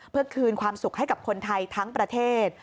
เพื่อคืนความสุขให้กับคนไทยทั้งประเทศ